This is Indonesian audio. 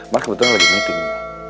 mas kebetulan lagi meeting